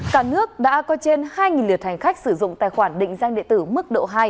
cả nước đã có trên hai lượt hành khách sử dụng tài khoản định danh điện tử mức độ hai